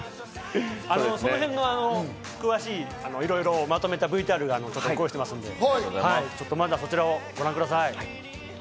その辺は詳しくいろいろまとめたＶＴＲを用意してますので、まずはそちらをご覧ください。